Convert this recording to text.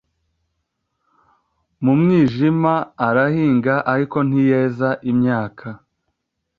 mu mwijima arahinga ariko ntiyeza imyaka